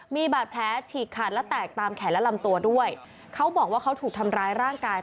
มีบาดแผลฉีกขาดและแตกตามแขนและลำตัวด้วยเขาบอกว่าเขาถูกทำร้ายร่างกาย